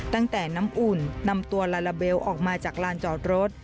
ตั้งแต่น้ำอุ่นนำตัวลาลาเบลออกมาจากลานจอดรถ